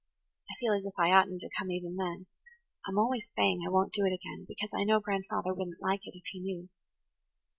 I feel as if I oughtn't to come even then–I'm always saying I won't do it again, because I know grandfather wouldn't like it, if he knew."